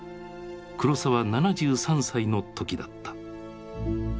黒澤７３歳の時だった。